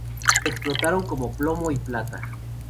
Se explotaron plomo y plata.